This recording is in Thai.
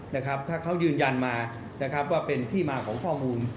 ถ้าเขายืนยันมาว่าเป็นที่มาของข้อมูล